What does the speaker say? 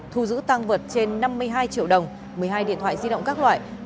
thu giữ tăng vật trên năm mươi hai triệu đồng một mươi hai điện thoại di động các loại